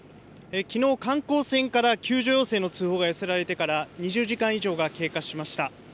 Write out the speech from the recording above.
きのう観光船から救助要請の通報が寄せられてから２０時間以上が経過しました。